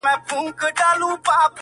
روغ دې وزرونه پانوسونو ته به څه وایو-